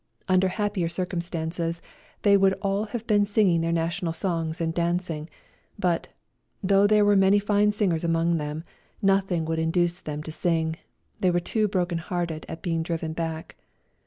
Under happier cir cumstances they would all have been singing their national songs and dancing, but, though there were many fine singers among them, nothing would induce them to sing : they were too broken hearted at being driven back.